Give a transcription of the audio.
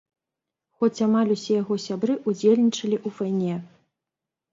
Хоць амаль усе яго сябры ўдзельнічалі ў вайне.